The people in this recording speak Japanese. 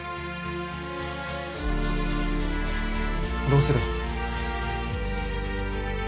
どうする？